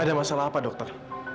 ada masalah apa dokter